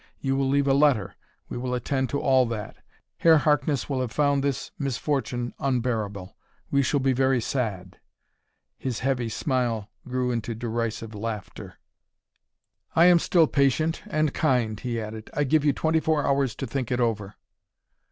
You will leave a letter: we will attend to all that. Herr Harkness will have found this misfortune unbearable.... We shall be very sad!" His heavy smile grew into derisive laughter. "I am still patient, and kind," he added. "I give you twenty four hours to think it over."